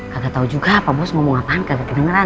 gak tau juga pak bos ngomong ngapain kagak kedengeran